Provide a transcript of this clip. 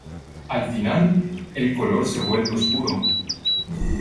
Al final, el color se vuelve oscuro.